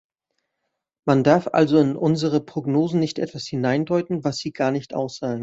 Man darf also in unsere Prognosen nicht etwas hineindeuten, was sie gar nicht aussagen.